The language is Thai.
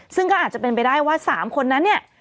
ซึ่งก็อาจจะเป็นไปได้ว่า๓คนนั้นเนี่ย